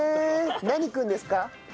何くんですか？